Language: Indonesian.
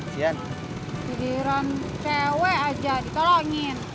sidiran cewek aja ditolongin